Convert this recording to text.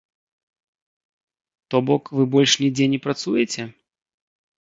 То бок, вы больш нідзе не працуеце?